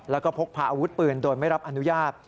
แล้วก็พกพาอาวุธปืนโดยไม่รับอนุญาต